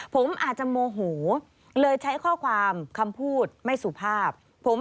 ผมอาจจะโมโหเลยใช้ข้อความคำพูดไม่สุภาพ